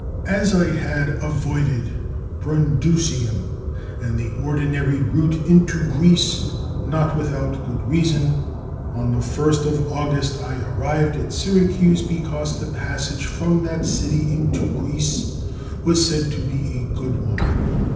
As I had avoided Brundusium, and the ordinary route into Greece, not without good reason, on the first of August I arrived at Syracuse, because the passage from that city into Greece was said to be a good one.